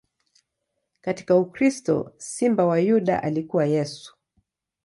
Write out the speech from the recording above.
Katika ukristo, Simba wa Yuda alikuwa Yesu.